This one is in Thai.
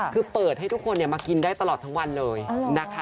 คือเปิดให้ทุกคนมากินได้ตลอดทั้งวันเลยนะคะ